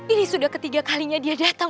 ini sudah ketiga kalinya dia datang